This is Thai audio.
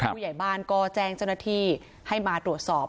ผู้ใหญ่บ้านก็แจ้งเจ้าหน้าที่ให้มาตรวจสอบ